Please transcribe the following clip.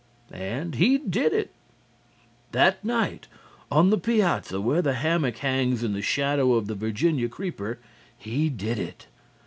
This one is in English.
And he did it. That night on the piazza, where the hammock hangs in the shadow of the Virginia creeper, he did it.